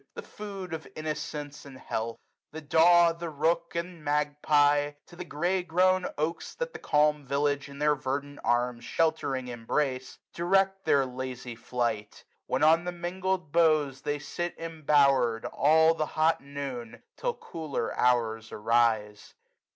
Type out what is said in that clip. The food of innocence, and health ! The daw. The rook and magpie, to the grey*grown oaks 225 That the calm village in their verdant arms. Sheltering, embrace, direct their lazy flight ; Where on the mingling boughs they sit embower'd. All the hot noon, till cooler hours arise.